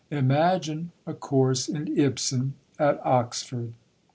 Imagine a course in Ibsen at Oxford!